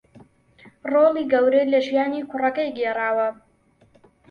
رۆڵی گەورەی لە ژیانی کوڕەکەی گێڕاوە